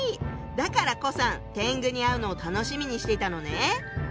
だから胡さん天狗に会うのを楽しみにしてたのね。